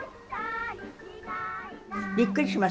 びっくりします。